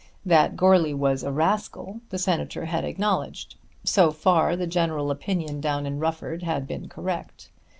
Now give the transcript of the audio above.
That Goarly was a rascal the Senator had acknowledged. So far the general opinion down in Rufford had been correct.